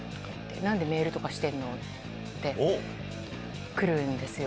なんでメールとかしてんの？ってくるんですよ。